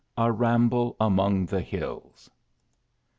A RAMBLE AMONG THE HILLS.